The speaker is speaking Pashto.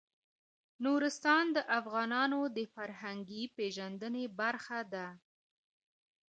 نورستان د افغانانو د فرهنګي پیژندنې برخه ده.